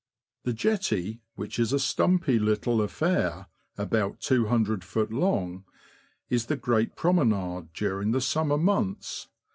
The Jetty, which is a stumpy little affair, about 20oft. long, is the great promenade during the summer months.